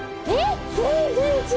全然違う！